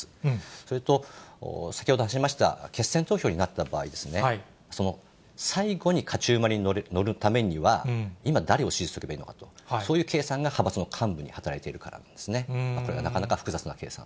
それと、先ほど話しました、決戦投票になった場合、最後に勝ち馬に乗るためには、今、誰を支持すべきかという、そういう計算が派閥の幹部に働いているからなんですね。